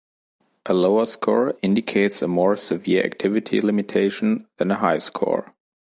A lower score indicates a more severe activity limitation than a higher score.